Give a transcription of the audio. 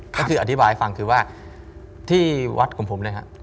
ก็คืออธิบายฟังคือว่าที่วัดของผมนะครับ